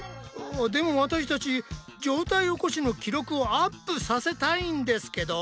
でも私たち上体起こしの記録をアップさせたいんですけど！